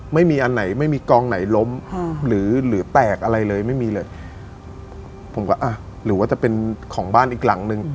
ไม่มีอันไหนไม่มีกองไหนล้มหรือหรือแตกอะไรเลยไม่มีเลยผมก็อ่ะหรือว่าจะเป็นของบ้านอีกหลังนึง